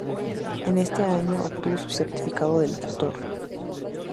En ese año, obtuvo su certificado de locutor.